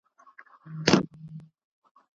¬ چي ما در کړه، خداى دې در کړي.